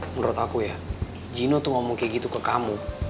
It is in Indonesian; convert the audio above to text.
menurut aku ya gino tuh ngomong kayak gitu ke kamu